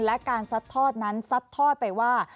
และการซัดทอดนั้นซัดทอดไปว่า